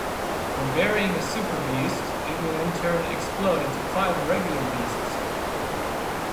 When burying a "super-beast" it will in turn explode into five regular beasts.